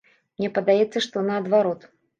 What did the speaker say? Мне падаецца, што наадварот.